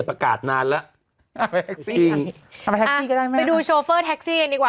ไปดูโชเฟอร์แท็กซี่กันดีกว่า